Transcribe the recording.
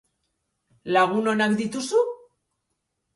Lagun onak dituzu?